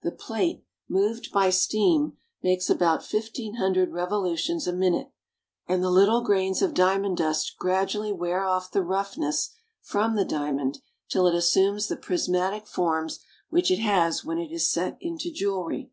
The plate, moved by steam, makes about fifteen hundred revolutions a minute, and the little grains of diamond dust gradually wear off the roughness from the diamond till it assumes the prismatic forms which it has when it is set into jewelry.